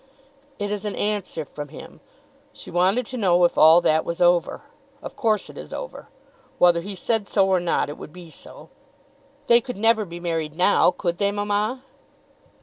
"It is an answer from him. She wanted to know if all that was over. Of course it is over. Whether he said so or not, it would be so. They could never be married now; could they, mamma?"